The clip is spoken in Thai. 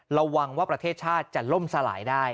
ระวังว่าประเทศชาติจะล่มสลายได้